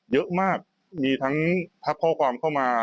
เยอะมากมีทั้งทักข้อความเข้ามา